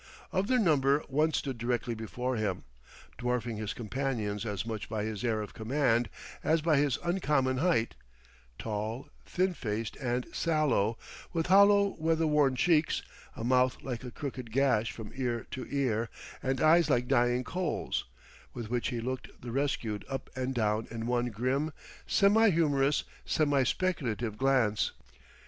Of their number one stood directly before him, dwarfing his companions as much by his air of command as by his uncommon height: tall, thin faced and sallow, with hollow weather worn cheeks, a mouth like a crooked gash from ear to ear, and eyes like dying coals, with which he looked the rescued up and down in one grim, semi humorous, semi speculative glance.